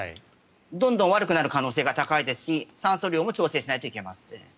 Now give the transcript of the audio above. どんどん悪くなる可能性が高いですし酸素量も調整しないといけません。